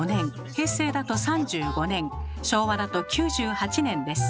平成だと３５年昭和だと９８年です。